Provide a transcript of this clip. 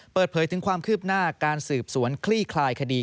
เปิดเผยถึงความคืบหน้าการสืบสวนคลี่คลายคดี